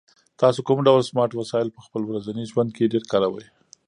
تاسو کوم ډول سمارټ وسایل په خپل ورځني ژوند کې ډېر کاروئ؟